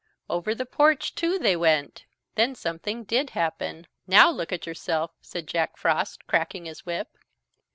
Over the porch, too, they went. Then something did happen. "Now look at yourself," said Jack Frost, cracking his whip.